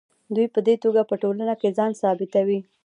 دوی په دې توګه په ټولنه کې ځان ثابتوي.